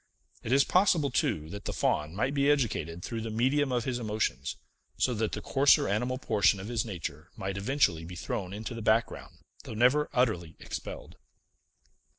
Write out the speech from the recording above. It is possible, too, that the Faun might be educated through the medium of his emotions, so that the coarser animal portion of his nature might eventually be thrown into the background, though never utterly expelled.